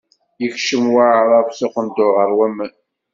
Yekcem Waɛrab s uqendur ɣer waman.